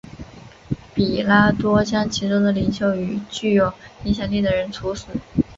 彼拉多将其中的领袖与具有影响力的人处死。